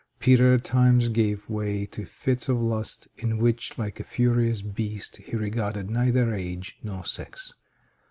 Peter at times gave way to fits of lust, in which, like a furious beast, he regarded neither age nor sex.